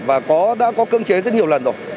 và đã có cương chế rất nhiều lần